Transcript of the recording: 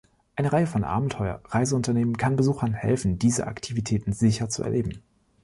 Eine Reihe von Abenteuer-Reiseunternehmen kann Besuchern helfen, diese Aktivitäten sicher zu erleben.